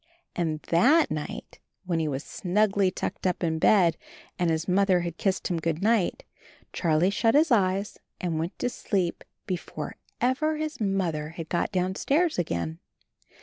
And that night when he was snugly tucked up in bed and his Mother had kissed him good night, Charlie shut his eyes and went to sleep before ever his Mother had got downstairs again.